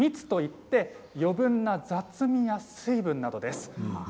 蜜といって余分な雑味や水分などです。